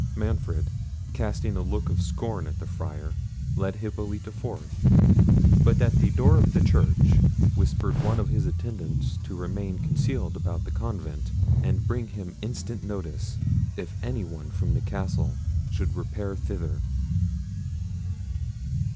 Manfred, casting a look of scorn at the Friar, led Hippolita forth; but at the door of the church whispered one of his attendants to remain concealed about the convent, and bring him instant notice, if any one from the castle should repair thither.